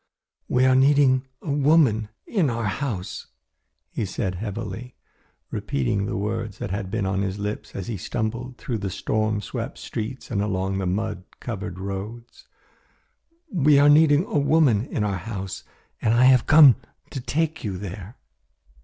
"We are needing a woman in our house," he said heavily, repeating the words that had been on his lips as he stumbled through the storm swept streets and along the mud covered roads. "We are needing a woman in our house, and I have come to take you there.